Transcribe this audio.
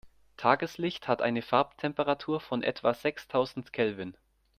Tageslicht hat eine Farbtemperatur von etwa sechstausend Kelvin.